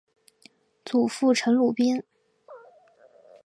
祖父陈鲁宾。